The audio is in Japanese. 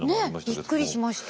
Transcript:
ねえびっくりしました。